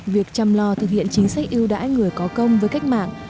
việc chăm lo thực hiện chính sách yêu đãi người có công với cách mạng